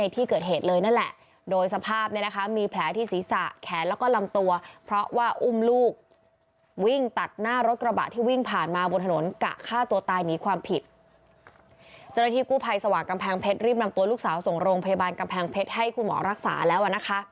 เจ้าหน้าที่กู้ภัยสว่างกำแพงเพชรรีบนำตัวลูกสาวส่งโรงพยาบาลกำแพงเพชรให้คุณหมอรักษาแล้วนะคะ